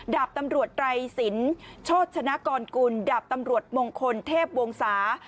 ดาบตำรวจไตรสินโชชนะกรกุลดาบตำรวจมงคลเทพวงศา